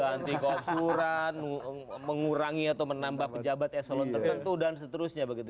ganti kokuran mengurangi atau menambah pejabat eselon tertentu dan seterusnya begitu